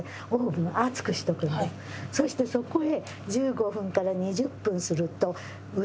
そしてそこへ。